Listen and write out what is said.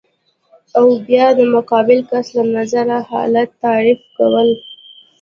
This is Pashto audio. او بیا د مقابل کس له نظره حالت تعریف کول